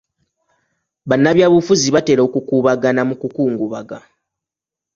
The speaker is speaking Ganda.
Bannabyabufuzi batera okukuubagana mu kukungubaga